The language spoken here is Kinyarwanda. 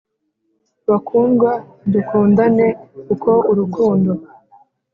Bakundwa dukundane kuko urukundo